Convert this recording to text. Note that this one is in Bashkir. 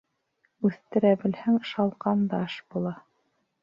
Үҫтерә белһәң, шалҡан да аш була.